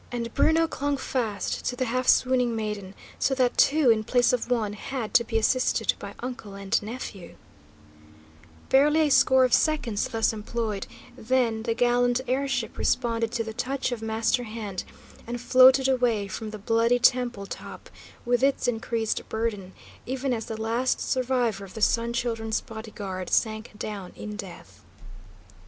And Bruno clung fast to the half swooning maiden, so that two in place of one had to be assisted by uncle and nephew! Barely a score of seconds thus employed, then the gallant air ship responded to the touch of master hand, and floated away from the bloody temple top with its increased burden, even as the last survivor of the Sun Children's body guard sank down in death.